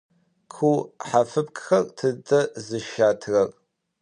Ку хьафыбгхэр тыдэ зыщатрэр?